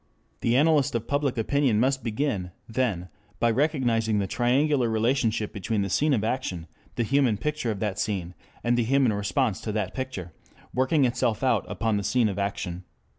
4 The analyst of public opinion must begin then, by recognizing the triangular relationship between the scene of action, the human picture of that scene, and the human response to that picture working itself out upon the scene of action.